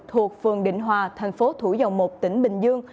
thuộc phường định hòa thành phố thủ dầu một tỉnh bình dương